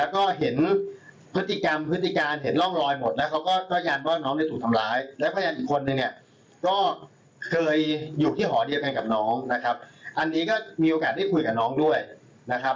ก็เคยอยู่ที่หอเดียวกันกับน้องนะครับอันนี้ก็มีโอกาสได้คุยกับน้องด้วยนะครับ